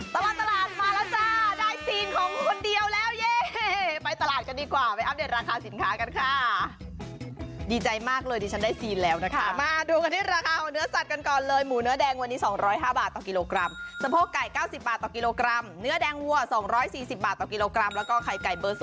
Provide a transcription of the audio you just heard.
ตลอดตลาดมาแล้วจ้าได้ซีนของคนเดียวแล้วเย่ไปตลาดกันดีกว่าไปอัปเดตราคาสินค้ากันค่ะดีใจมากเลยดิฉันได้ซีนแล้วนะคะมาดูกันที่ราคาของเนื้อสัตว์กันก่อนเลยหมูเนื้อแดงวันนี้๒๐๕บาทต่อกิโลกรัมสะโพกไก่๙๐บาทต่อกิโลกรัมเนื้อแดงวัว๒๔๐บาทต่อกิโลกรัมแล้วก็ไข่ไก่เบอร์๒